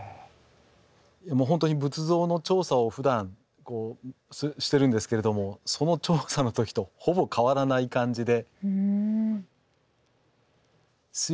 もう本当に仏像の調査をふだんしてるんですけれどもその調査の時とほぼ変わらない感じで。